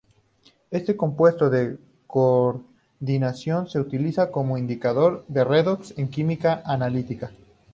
Este compuesto de coordinación se utiliza como indicador redox en química analítica.